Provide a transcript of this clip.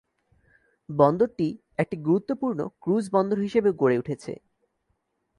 বন্দরটি একটি গুরুত্ব পূর্ণ ক্রুজ বন্দর হিসেবেও গড়ে উঠেছে।